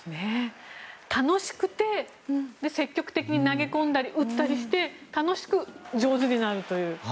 楽しくて、積極的に投げ込んだり打ったりして楽しく上手になるという。